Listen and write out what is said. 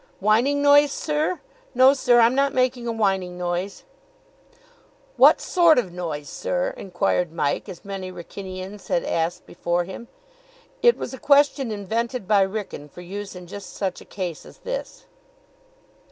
"Whining noise, sir? No, sir, I'm not making a whining noise." "What sort of noise, sir?" inquired Mike, as many Wrykynians had asked before him. It was a question invented by Wrykyn for use in just such a case as this.